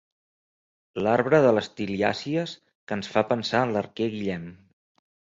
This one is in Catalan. L'arbre de les tiliàcies que ens fa pensar en l'arquer Guillem.